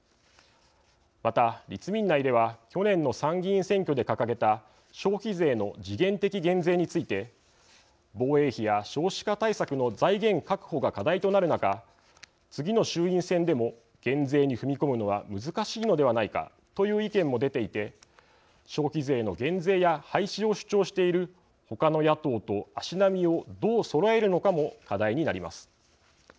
また立民内では去年の参議院選挙で掲げた消費税の時限的減税について防衛費や少子化対策の財源確保が課題となる中次の衆院選でも減税に踏み込むのは難しいのではないかという意見も出ていて消費税の減税や廃止を主張しているほかの野党と足並みをどうそろえるのかも課題になります。